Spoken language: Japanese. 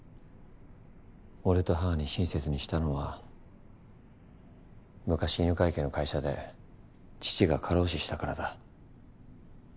俺と母に親切にしたのは昔犬飼家の会社で父が過労死したからだ。